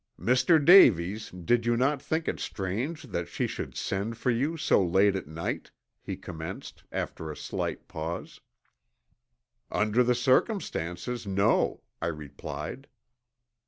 "Mr. Davies, did you not think it strange that she should send for you so late at night?" he commenced, after a slight pause. "Under the circumstances, no," I replied.